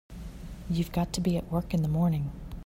You've got to be at work in the morning.